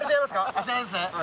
あちらです。